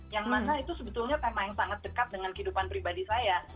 yang mana itu sebetulnya tema yang sangat dekat dengan kehidupan pribadi saya